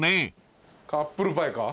アップルパイか。